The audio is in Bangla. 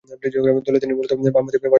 দলে তিনি মূলতঃ বামহাতি ফাস্ট বোলিং করতেন।